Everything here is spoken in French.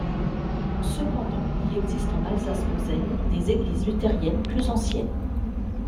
Cependant, il existe en Alsace-Moselle des églises luthériennes plus anciennes.